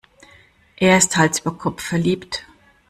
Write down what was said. Er ist Hals über Kopf verliebt.